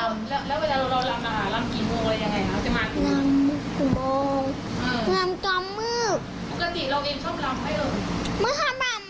ไม่ทำรำ